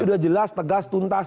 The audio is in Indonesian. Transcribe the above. sudah jelas tegas tuntas